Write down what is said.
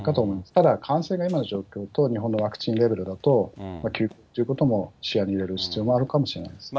ただ、感染の今の状況と日本のワクチンレベルだと、休校ということも視野に入れる必要もあるかもしれないですね。